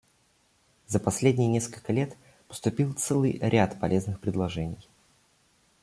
За последние несколько лет поступил целый ряд полезных предложений.